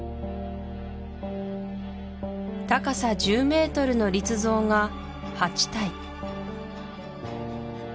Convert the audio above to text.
高さ１０ｍの立像が８体